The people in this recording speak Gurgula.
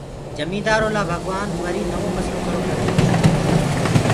جميندآرو لآ ڀگوآن وري نوو مسلو کڙو ڪرديندو هي